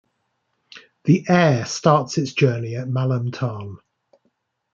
The Aire starts its journey at Malham Tarn.